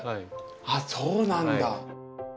あっそうなんだ。